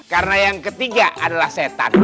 karena yang ketiga adalah setan